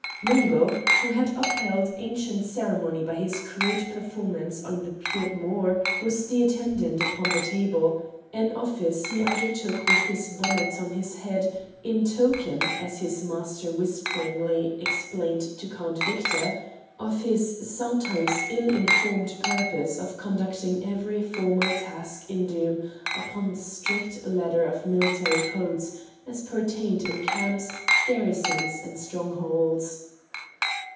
Mungo, who had upheld ancient ceremony by his crude performance on the piob mhor, was the attendant upon the table, an office he undertook with his bonnet on his head, "in token," as his master whisperingty explained to Count Victor, "of his sometimes ill informed purpose of conducting every formal task in Doom upon the strict letter of military codes as pertained in camps, garrisons, and strongholds."